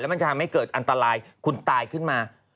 มันจะทำให้เกิดอันตรายคุณตายขึ้นมา